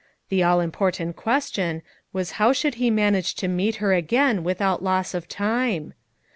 The all important question was how should he man age to meet her again without loss of time?